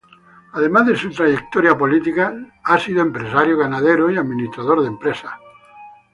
Además de su trayectoria política, ha sido empresario, ganadero y administrador de empresas.